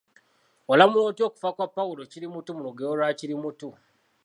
Olamula otya okufa kwa Pawulo Kirimuttu mu lugero lwa Kirimuttu?